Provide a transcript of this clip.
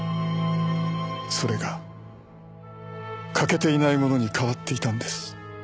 それが欠けていないものに変わっていたんです。